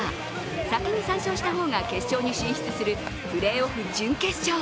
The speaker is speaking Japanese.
先に３勝した方が決勝に進出するプレーオフ準決勝。